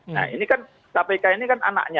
nah ini kan kpk ini kan anaknya